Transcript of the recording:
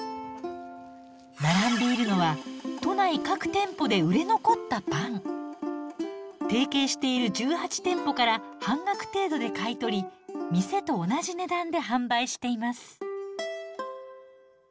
並んでいるのは都内提携している１８店舗から半額程度で買い取り店と同じ値段で販売しています。